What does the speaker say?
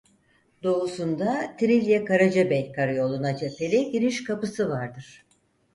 Doğusunda Tirilye-Karacabey karayoluna cepheli giriş kapısı vardır.